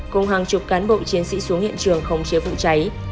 cùng hàng chục cán bộ chiến sĩ xuống hiện trường không chế vụ cháy